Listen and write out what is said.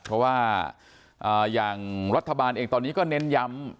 เพราะว่าอย่างรัฐบาลเองตอนนี้ก็เน้นย้ำ